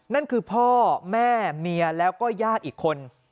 นั่นคือพ่อแม่เมียแล้วก็ญาติอีกคน